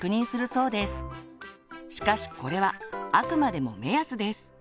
しかしこれはあくまでも目安です。